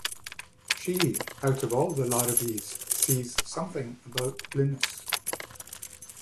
She, out of all the Larabee's sees something about Linus.